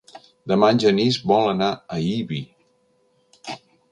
Demà en Genís vol anar a Ibi.